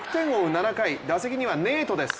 ７回、打席にはネイトです。